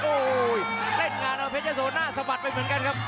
โอ้โหเล่นงานเอาเพชรยะโสหน้าสะบัดไปเหมือนกันครับ